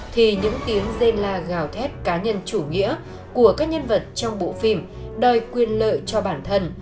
thì những tiếng rên la gào thép cá nhân chủ nghĩa của các nhân vật trong bộ phim đòi quyền lợi cho bản thân